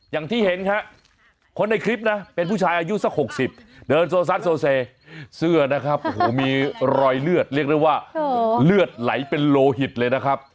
อย่างที่เห็นครับคนในคลิปนะเป็นผู้ชายอายุสัก๖๐เดินโซซัสโซเซเสื้อนะครับโอ้โหมีรอยเลือดเรียกได้ว่าเลือดไหลเป็นโลหิตเลยนะครับ